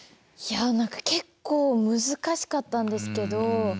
いや結構難しかったんですけど。